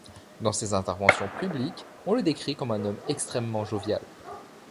Dans ses interventions publiques, on le décrit comme un homme extrêmement jovial.